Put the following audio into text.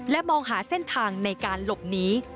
มองหาเส้นทางในการหลบหนี